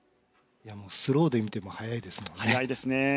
スローで見ても速いですね。